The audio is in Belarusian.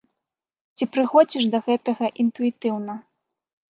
Ці прыходзіш да гэтага інтуітыўна?